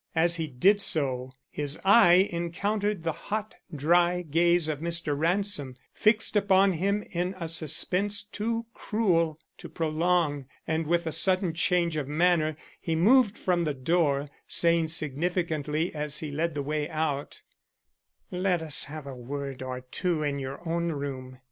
As he did so, his eye encountered the hot, dry gaze of Mr. Ransom, fixed upon him in a suspense too cruel to prolong, and with a sudden change of manner he moved from the door, saying significantly as he led the way out: "Let us have a word or two in your own room.